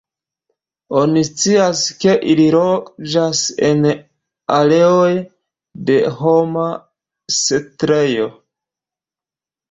Oni scias, ke ili loĝas en areoj de homa setlejo.